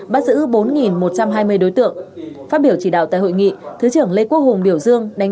bắt giữ bốn một trăm hai mươi đối tượng phát biểu chỉ đạo tại hội nghị thứ trưởng lê quốc hùng biểu dương đánh